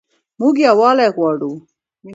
موږ یووالی غواړو